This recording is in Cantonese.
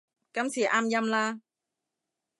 今次啱音啦